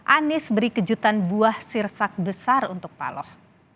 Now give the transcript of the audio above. anies beri kejutan buah sirsak besar untuk paloh